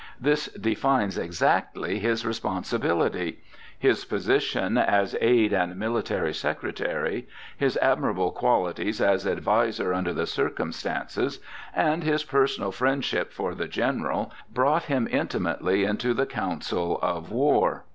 This defines exactly his responsibility. His position as aid and military secretary, his admirable qualities as adviser under the circumstances, and his personal friendship for the General, brought him intimately into the council of war.